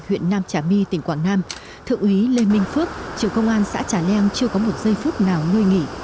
huyện nam trà my tỉnh quảng nam thượng úy lê minh phước trưởng công an xã trà leng chưa có một giây phút nào nguôi nghỉ